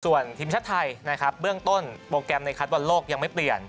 ส่วนทีมชาติไทยนะครับเบื้องต้นโปรแกรมในคัดบอลโลกยังไม่เปลี่ยน